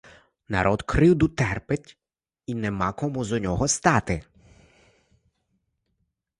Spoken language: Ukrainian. Народ кривду терпить, і нема кому за нього стати.